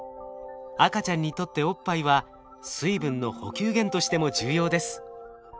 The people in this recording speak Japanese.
赤ちゃんにとっておっぱいは水分の補給源としても重要です。